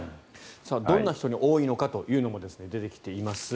どんな人に多いのかというのも出てきています。